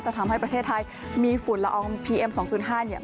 ทำให้ประเทศไทยมีฝุ่นละอองพีเอ็ม๒๐๕เนี่ย